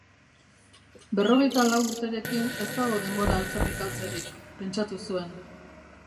Berrogeita lau urterekin ez dago denbora alferrikaltzerik, pentsatu zuen.